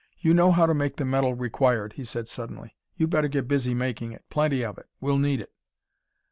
"You know how to make the metal required," he said suddenly. "You'd better get busy making it. Plenty of it. We'll need it."